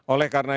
oleh karena itu